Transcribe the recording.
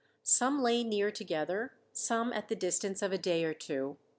Some lay near together, some at the distance of a day or two.